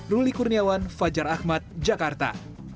ruli kurniawan fajar ahmad jakarta